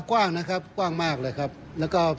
ช่วยให้สามารถสัมผัสถึงความเศร้าต่อการระลึกถึงผู้ที่จากไป